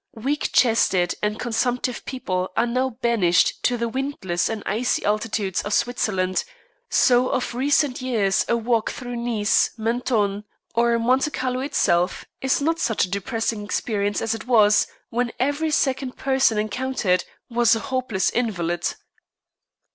Weak chested and consumptive people are now banished to the windless and icy altitudes of Switzerland; so of recent years a walk through Nice, Mentone, or Monte Carlo itself is not such a depressing experience as it was when every second person encountered was a hopeless invalid.